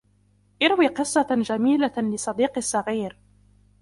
ارو قصة جميلة لصديقي الصغير.